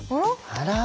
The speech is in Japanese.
あら。